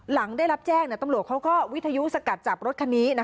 หลังได้รับแจ้งตำรวจเขาก็วิทยุสกัดจับรถคันนี้